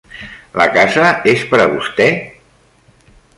La casa és per a vostè?